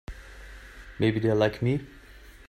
Maybe they're like me.